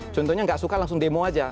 contohnya nggak suka langsung demo aja